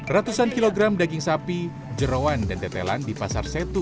ratusan kilogram daging sapi jerawan dan tetelan di pasar setu